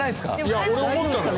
いや俺も思ったのよ。